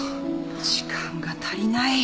時間が足りない。